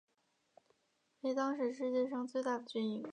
为当时世界上最大的军营。